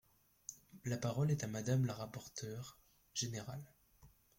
La parole est à Madame la rapporteure générale.